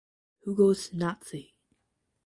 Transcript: Who Goes Nazi?